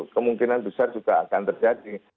kemungkinan besar juga akan terjadi